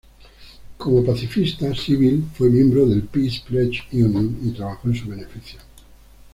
Como pacifista, Sybil fue miembro del Peace Pledge Union y trabajó en su beneficio.